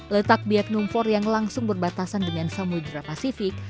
letak biagnum fort yang langsung berbatasan dengan samudera pasifik